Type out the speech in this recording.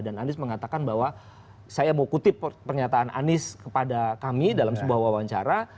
dan anies mengatakan bahwa saya mau kutip pernyataan anies kepada kami dalam sebuah wawancara